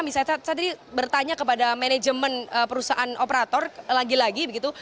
misalnya saya tadi bertanya kepada manajemen perusahaan operator lagi lagi begitu